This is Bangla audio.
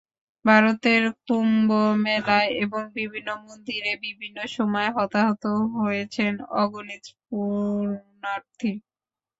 ভারতের কুম্ভমেলায় এবং বিভিন্ন মন্দিরে বিভিন্ন সময় হতাহত হয়েছেন অগণিত পুণ্যার্থী।